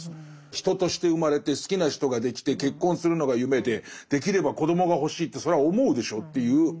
人として生まれて好きな人ができて結婚するのが夢でできれば子どもが欲しいってそれは思うでしょっていう。